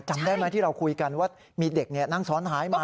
จำได้ไหมที่เราคุยกันว่ามีเด็กนั่งซ้อนท้ายมา